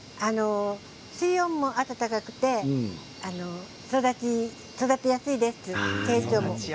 水温も温かくて育てやすいです。